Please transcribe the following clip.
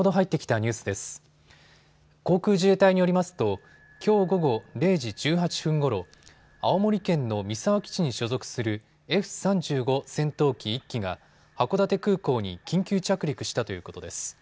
航空自衛隊によりますときょう午後０時１８分ごろ、青森県の三沢基地に所属するＦ３５戦闘機１機が函館空港に緊急着陸したということです。